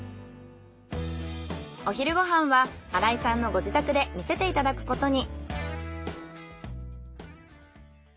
お昼ご飯は荒井さんのご自宅で見せていただくことに。